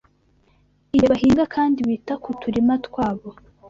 Igihe bahinga kandi bita ku turima twabo